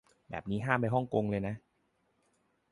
แบบนี้ห้ามไปฮ่องกงเลยนะ